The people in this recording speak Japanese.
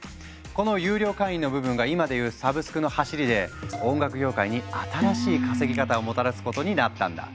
この有料会員の部分が今で言うサブスクのはしりで音楽業界に新しい稼ぎ方をもたらすことになったんだ。